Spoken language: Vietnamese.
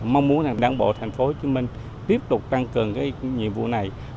mong muốn đảng bộ thành phố hồ chí minh tiếp tục tăng cường cái nhiệm vụ này